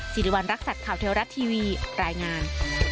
สิริวัณรักษัตริย์ข่าวเทวรัฐทีวีรายงาน